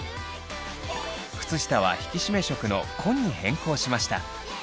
靴下は引き締め色の紺に変更しました。